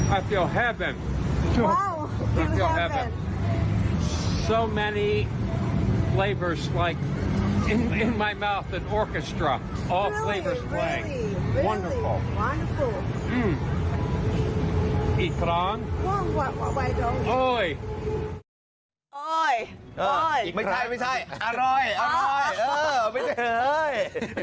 อาหารอยู่ในปากของเขาเลยทุกอาหารอยู่ในปากของเขาเลย